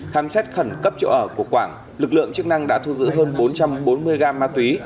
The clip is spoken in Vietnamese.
khám xét khẩn cấp chỗ ở của quảng lực lượng chức năng đã thu giữ hơn bốn trăm bốn mươi gram ma túy